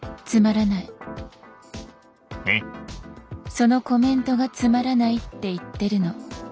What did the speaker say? そのコメントがつまらないって言ってるの。